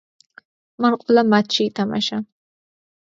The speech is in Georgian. მან ყველა მატჩში ითამაშა.